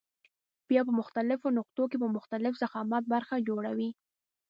بیا په مختلفو نقطو کې په مختلف ضخامت برخه جوړوي.